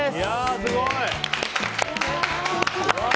すごい！